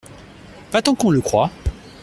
Pas tant qu’on le croit.